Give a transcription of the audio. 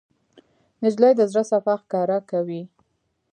نجلۍ د زړه صفا ښکاره کوي.